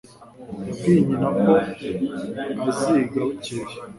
yabwiye nyina ko aziga bukeye